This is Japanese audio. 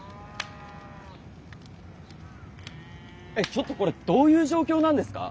ちょっとこれどういう状況なんですか？